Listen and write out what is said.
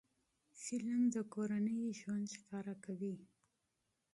فلم د کورنۍ ژوند ښيي